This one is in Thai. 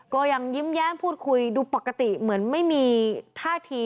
ก็ยังยิ้มแย้มพูดคุยดูปกติเหมือนไม่มีท่าที